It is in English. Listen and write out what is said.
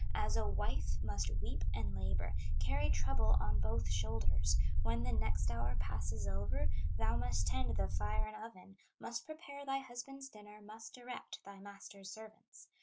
"As a wife, must weep and labor, Carry trouble on both shoulders; When the next hour passes over, Thou must tend the fire and oven, Must prepare thy husband's dinner, Must direct thy master's servants.